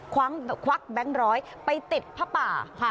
ควักแบงค์ร้อยไปติดผ้าป่า